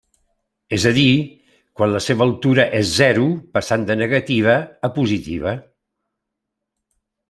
És a dir, quan la seva altura és zero passant de negativa a positiva.